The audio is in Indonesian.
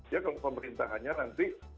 dia kalau pemerintahannya nanti